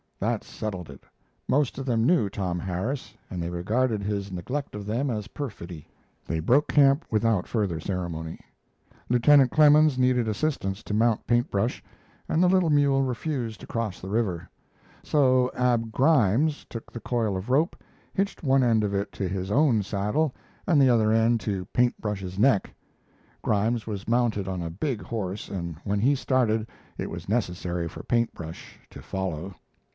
That settled it. Most of them knew Tom Harris, and they regarded his neglect of them as perfidy. They broke camp without further ceremony. Lieutenant Clemens needed assistance to mount Paint Brush, and the little mule refused to cross the river; so Ab Grimes took the coil of rope, hitched one end of it to his own saddle and the other end to Paint Brush's neck. Grimes was mounted on a big horse, and when he started it was necessary for Paint Brush to follow.